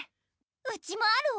うちもあるわ。